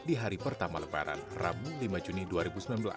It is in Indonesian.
di hari pertama lebaran rabu lima juni dua ribu sembilan belas